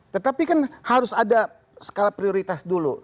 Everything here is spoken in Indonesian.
tetapi kan harus ada skala prioritas dulu